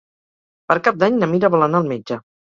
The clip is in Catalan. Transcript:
Per Cap d'Any na Mira vol anar al metge.